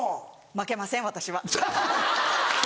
負けません私は。